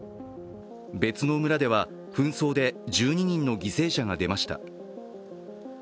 別の村では、紛争で１２人の犠牲者が出ました。